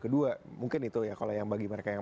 kedua mungkin itu ya kalau yang bagi mereka yang